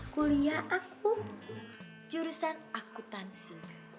kuliah aku jurusan akutansi